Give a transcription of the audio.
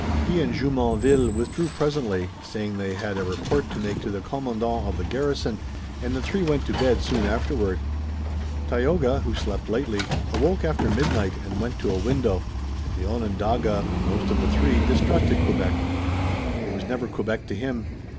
He and Jumonville withdrew presently, saying they had a report to make to the commandant of the garrison, and the three went to bed soon afterward. Tayoga, who slept lightly, awoke after midnight and went to a window. The Onondaga, most of the three, distrusted Quebec. It was never Quebec to him.